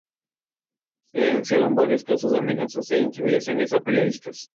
Se denunciaron varios casos de amenazas e intimidaciones a periodistas.